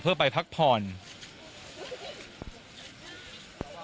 และมีความหวาดกลัวออกมา